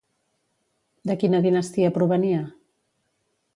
De quina dinastia provenia?